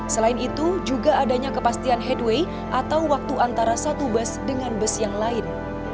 selain itu juga adanya kepastian headway atau waktu antara satu bus dengan bus yang lain